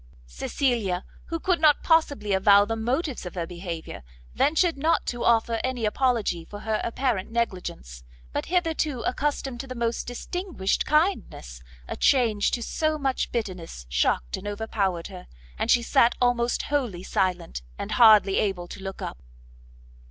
Cecilia, who could not possibly avow the motives of her behaviour, ventured not to offer any apology for her apparent negligence; but, hitherto accustomed to the most distinguished kindness, a change to so much bitterness shocked and overpowered her, and she sat almost wholly silent, and hardly able to look up.